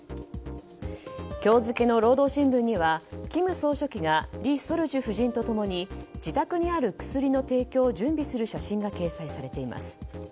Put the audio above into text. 今日付の労働新聞には金総書記がリ・ソルジュ夫人と共に自宅にある薬の提供を準備する写真が掲載されています。